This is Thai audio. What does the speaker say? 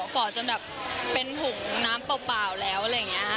ฝ่อจนแบบเป็นถุงน้ำเปล่าแล้วอะไรอย่างนี้